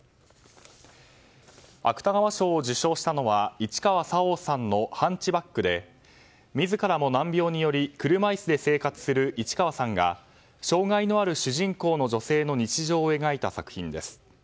芥川賞を受賞したのは市川沙央さんの「ハンチバック」で自らも難病により車椅子で生活する市川さんが障害のある主人公の女性の日常を描いた作品です。